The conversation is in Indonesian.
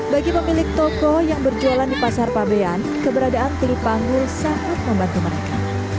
bagi pemilik toko yang berjualan di pasar pabean keberadaan kulipanggul sangat membantu mereka